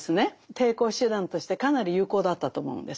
抵抗手段としてかなり有効だったと思うんです。